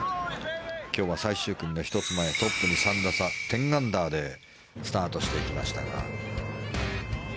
今日は最終組の１つ前トップに３打差１０アンダーでスタートしていきましたが。